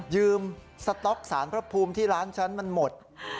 ยืมสต๊อกสารพระภูมิที่ร้านฉันมันหมด